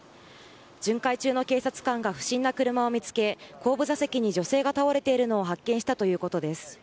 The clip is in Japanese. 巡回中の警察官が不審な車を見つけ後部座席に女性が倒れているのを発見したということです。